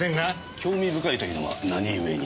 興味深いというのは何ゆえに？